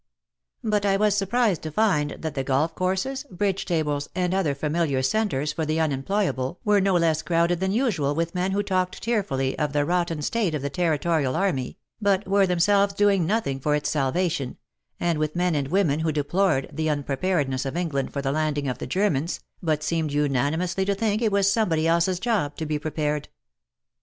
But I was surprised to find that the golf courses, bridge tables and other familiar centres for the unemployable were no less crowded than usual with men who talked 6 WAR AND WOMEN tearfully of the rotten state of the Territorial Army, but were themselves doing nothing for its salvation, and with men and women who deplored the unpreparedness of England for the landing of the Germans, but seemed unanimously to think it was somebody else's job to be prepared.